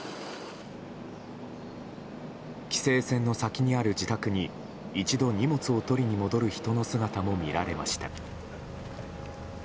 規制線の先のある自宅に一度荷物を取りに戻る人の姿も見られました。